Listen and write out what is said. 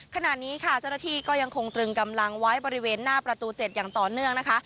ขณะนี้ค่ะเจ้าหน้าที่ก็ยังคงตรึงกำลังไว้บริเวณหน้าประตู๗อย่างต่อเนื่องนะคะ